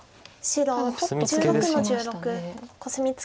白１６の十六コスミツケ。